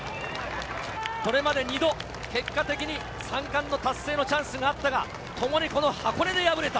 これまで２度、結果的に三冠の達成のチャンスがあったが、ともにこの箱根で敗れた。